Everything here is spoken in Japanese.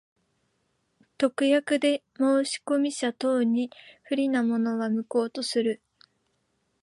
特約で申込者等に不利なものは、無効とする。